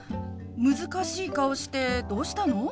難しい顔してどうしたの？